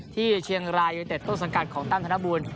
ที่เชียงรายยดเต็ดโต๊ะสังกันของตั้งธนบุญ